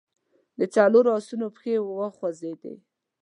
د څلورو آسونو پښې وخوځېدې.